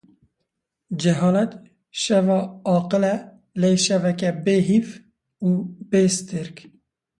Cehalet şeva aqil e lê şeveke bêhîv û bêstêrk.